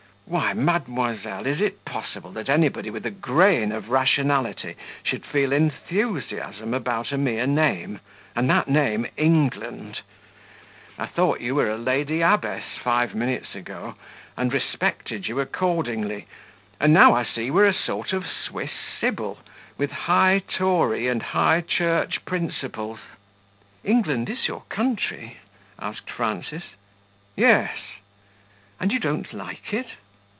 Why, mademoiselle, is it possible that anybody with a grain of rationality should feel enthusiasm about a mere name, and that name England? I thought you were a lady abbess five minutes ago, and respected you accordingly; and now I see you are a sort of Swiss sibyl, with high Tory and high Church principles!" "England is your country?" asked Frances. "Yes." "And you don't like it?"